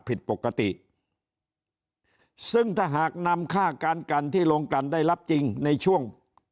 ผิดปกติซึ่งถ้าหากนำค่าการกันที่โรงกันได้รับจริงในช่วง